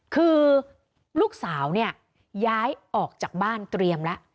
คือลูกสาวเนี่ยย้ายออกจากบ้านเตรียมแล้ว